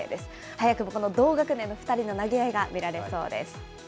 早くも同学年の２人の投げ合いが見られそうです。